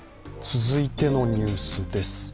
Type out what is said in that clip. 続いてのニュースです。